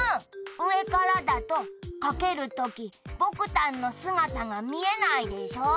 うえからだとかけるとき僕たんの姿が見えないでしょ？